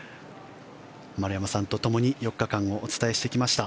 丸山さんとともに４日間をお伝えしてきました。